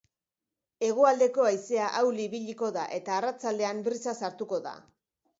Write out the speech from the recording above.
Hegoaldeko haizea ahul ibiliko da eta arratsaldean brisa sartuko da.